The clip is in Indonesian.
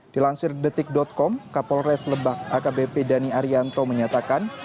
dilansir detik com kapolres lebak akbp dhani arianto menyatakan